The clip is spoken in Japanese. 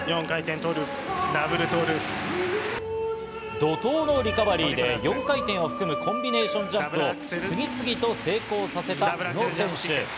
怒涛のリカバリーで、４回転を含むコンビネーションジャンプを次々と成功させた宇野選手。